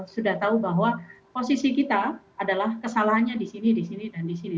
sudah tahu bahwa posisi kita adalah kesalahannya di sini di sini dan di sini